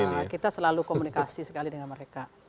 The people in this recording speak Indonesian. ya kita selalu komunikasi sekali dengan mereka